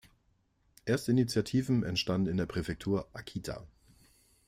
Erste Initiativen entstanden in der Präfektur Akita.